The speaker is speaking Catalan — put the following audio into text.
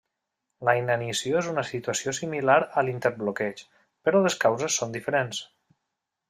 La inanició és una situació similar a l'interbloqueig, però les causes són diferents.